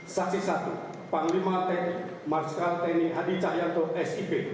saksi satu panglima tengi marshal tengi hadi cahyanto s i p